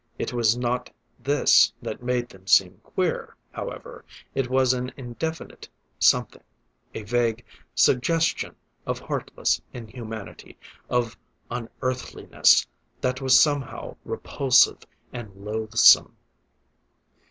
It was not this that made them seem queer, however: it was an indefinite something, a vague suggestion of heartless inhumanity, of unearthliness, that was somehow repulsive and loathsome.